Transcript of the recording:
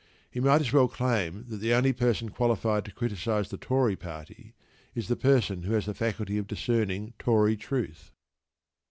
He might as well claim that the only person qualified to criticise the Tory Party is the person who has the faculty for discerning Tory truth.